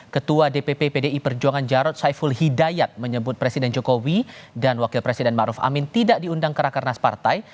ketua dpp pdi perjuangan jarod saiful hidayat menyebut presiden jokowi dan wakil presiden maruf amin tidak diundang ke rakernas partai